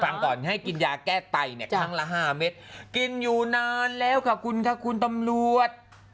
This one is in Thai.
ฟังก่อนให้กินยาแก้ไตเนี่ยครั้งละ๕เม็ดกินอยู่นานแล้วค่ะคุณค่ะคุณตำรวจ